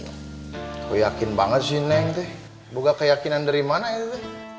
aku yakin banget sih neng tuh buka keyakinan dari mana itu tuh